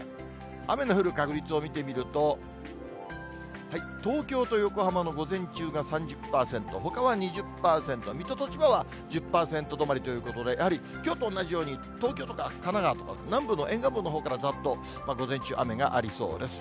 雨の降る確率を見てみると、東京と横浜の午前中が３０％、ほかは２０％、水戸と千葉は１０％止まりということで、やはりきょうと同じように、東京とか神奈川とか、南部の沿岸部のほうからざっと午前中、雨がありそうです。